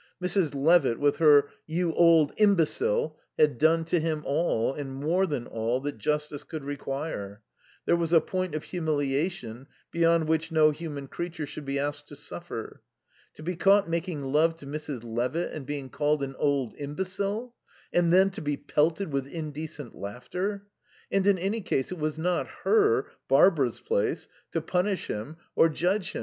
Mrs. Levitt, with her "You old imbecile!" had done to him all, and more than all, that justice could require; there was a point of humiliation beyond which no human creature should be asked to suffer. To be caught making love to Mrs. Levitt and being called an old imbecile! And then to be pelted with indecent laughter. And, in any case, it was not her, Barbara's, place to punish him or judge him.